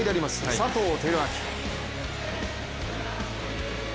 佐藤輝明。